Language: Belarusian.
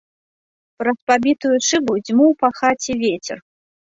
Праз пабітую шыбу дзьмуў па хаце вецер.